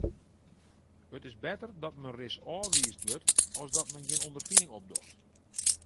It is better dat men ris ôfwiisd wurdt as dat men gjin ûnderfining opdocht.